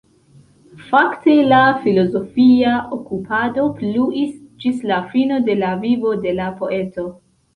Fakte la filozofia okupado pluis ĝis la fino de la vivo de la poeto.